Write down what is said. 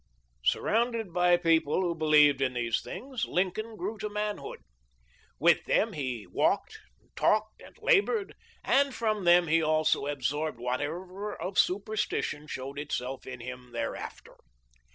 Surrounded by people who believed in these things, Lincoln grew to manhood. With them he walked, talked, and labored, and from them he also absorbed whatever of superstition showed itself in him thereafter.